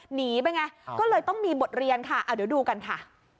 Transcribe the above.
หนีไปไงก็เลยต้องมีบทเรียนค่ะเดี๋ยวดูกันค่ะ